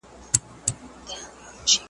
د هغوی غږ هم بايد وي.